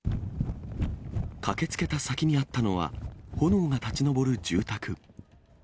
駆けつけた先にあったのは、炎が立ち上る住宅。